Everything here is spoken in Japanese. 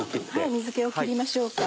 水気を切りましょうか。